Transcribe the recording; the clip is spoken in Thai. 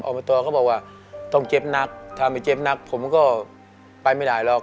อบตเขาบอกว่าต้องเจ็บหนักถ้าไม่เจ็บหนักผมก็ไปไม่ได้หรอก